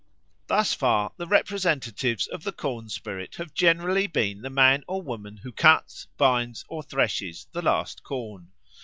Thus far the representatives of the corn spirit have generally been the man or woman who cuts, binds, or threshes the last corn.